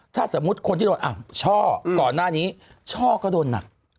ถ้าสมมุติคนที่โดนช่อก่อนหน้านี้ช่อก็โดนหนัก